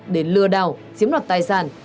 để lừa đảo chiếm đoạt tài sản